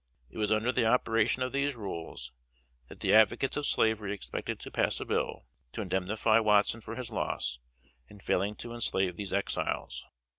It was under the operation of these rules that the advocates of slavery expected to pass a bill to indemnify Watson for his loss in failing to enslave these Exiles.